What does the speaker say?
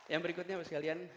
yang berikutnya teman teman